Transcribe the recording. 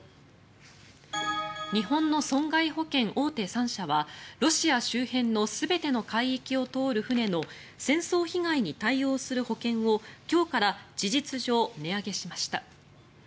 日本の損害保険大手３社はロシア周辺の全ての海域を通る船の戦争被害に対応する保険を今日から事実上、値上げしました。